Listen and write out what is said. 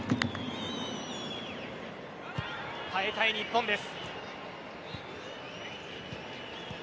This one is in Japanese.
耐えたい日本です。